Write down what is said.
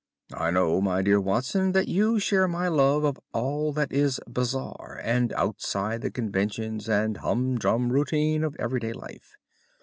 "I know, my dear Watson, that you share my love of all that is bizarre and outside the conventions and humdrum routine of everyday life.